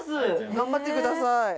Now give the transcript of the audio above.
頑張ってください。